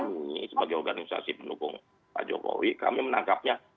kami sebagai organisasi pendukung pak jokowi kami menangkapnya